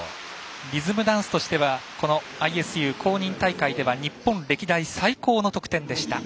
リズムダンスとしてはＩＳＵ公認大会では日本歴代最高の得点でした。